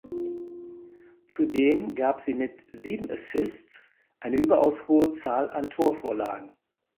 Zudem gab sie mit sieben Assists eine überaus hohe Zahl an Torvorlagen.